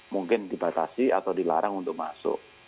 mungkin dibatasi atau dilarang untuk masuk